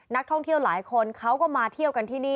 นักท่องเที่ยวหลายคนเขาก็มาเที่ยวกันที่นี่